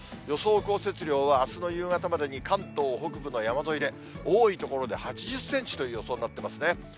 予想降雪量はあすの夕方までに関東北部の山沿いで、多い所で８０センチという予想になっていますね。